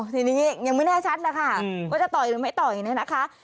ทีนี้ยังไม่แน่ชัดแล้วค่ะว่าจะต่อยหรือไม่ต่อยเนี่ยนะคะ